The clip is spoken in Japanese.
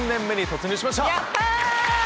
やった！